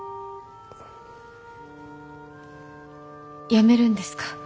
辞めるんですか？